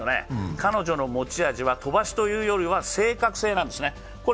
彼女の持ち味は飛ばしというよりは正確性なんですね。